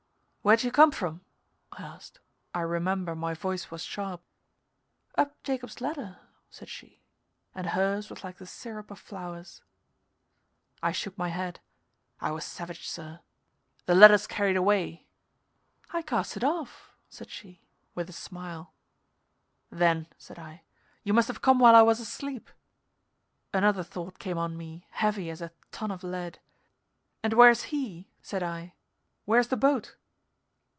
"Where'd you come from?" I asked. I remember my voice was sharp. "Up Jacob's ladder," said she, and hers was like the syrup of flowers. I shook my head. I was savage, sir. "The ladder's carried away." "I cast it off," said she, with a smile. "Then," said I, "you must have come while I was asleep." Another thought came on me heavy as a ton of lead. "And where's he?" said I. "Where's the boat?"